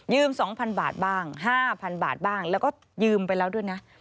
๒๐๐บาทบ้าง๕๐๐บาทบ้างแล้วก็ยืมไปแล้วด้วยนะ